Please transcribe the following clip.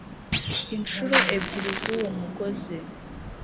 incuro ebyiri z uwo mugozi